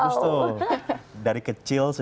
dari kecil sudah punya cita cita yang apa sih